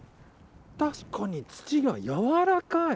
確かに土が柔らかい。